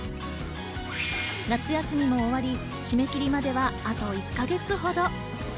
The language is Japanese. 夏休みも終わり、締め切りまではあと１か月ほど。